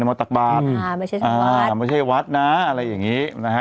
ไม่ใช่งานวาสไม่ใช่วัฒนาอะไรอย่างนี้